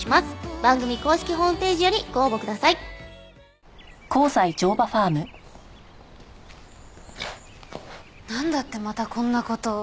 番組公式ホームページよりご応募くださいなんだってまたこんな事を？